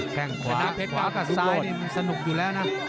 แข้งขวาขวากับซ้ายนี่มันสนุกอยู่แล้วนะ